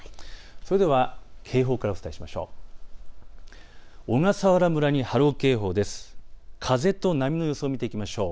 それでは警報からお伝えしましょう。